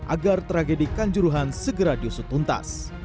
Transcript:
agar tragedi kanjuruhan segera diusut tuntas